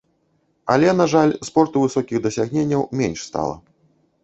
Але, на жаль, спорту высокіх дасягненняў менш стала.